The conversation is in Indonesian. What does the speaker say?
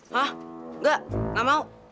hah enggak gak mau